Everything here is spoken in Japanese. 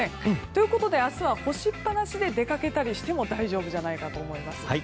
ということで明日は干しっぱなしで出かけたりしても大丈夫じゃないかと思います。